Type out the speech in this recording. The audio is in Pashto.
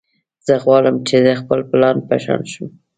زه غواړم چې د خپل پلار په شان شم